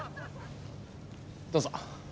どうぞ。